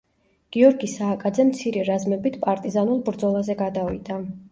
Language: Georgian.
გიორგი სააკაძე მცირე რაზმებით პარტიზანულ ბრძოლაზე გადავიდა.